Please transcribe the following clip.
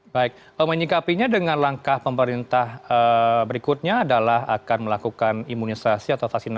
baik menyikapinya dengan langkah pemerintah berikutnya adalah akan melakukan imunisasi atau vaksinasi pada tanggal dua maret